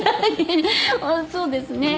そうですね。